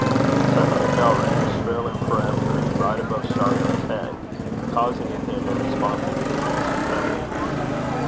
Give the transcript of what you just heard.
Suddenly a bell rang, shrill and peremptory, right above Shargar's head, causing in him a responsive increase of trembling.